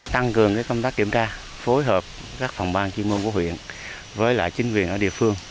tăng cường công tác kiểm tra phối hợp các phòng ban chuyên môn của huyện với lại chính quyền ở địa phương